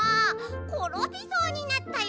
ころびそうになったよ。